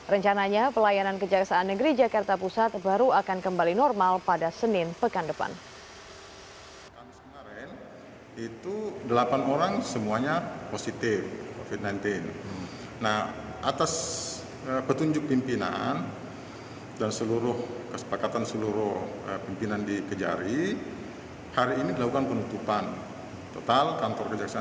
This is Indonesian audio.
rencananya pelayanan kejaksaan negeri jakarta pusat baru akan kembali normal pada senin pekan depan